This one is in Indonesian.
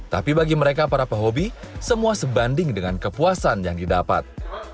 tapi bagi mereka para pehobi semua sebanding dengan kepuasan yang didapat